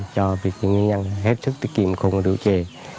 cho việc nhân nhân hết sức tiết kiệm không rượu chè